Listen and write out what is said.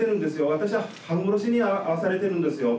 私は半殺しに遭わされてるんですよ。